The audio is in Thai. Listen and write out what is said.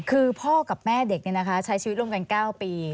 คือพ่อกับแม่เด็กใช้ชีวิตร่วมกัน๙ปี